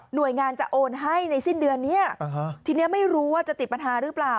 โดยงานจะโอนให้ในสิ้นเดือนนี้ทีนี้ไม่รู้ว่าจะติดปัญหาหรือเปล่า